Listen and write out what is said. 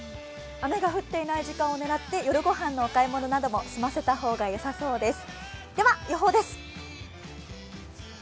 雨が降っていない時間を狙って夜御飯のお買い物なども済ませた方がよさそうです。